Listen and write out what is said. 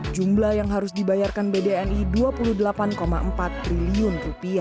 jumlah yang harus dibayarkan bdni rp dua puluh delapan empat triliun